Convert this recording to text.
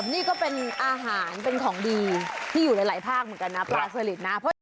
นี่ก็เป็นอาหารเป็นของดีที่อยู่หลายภาคเหมือนกันนะปลาสลิดนะ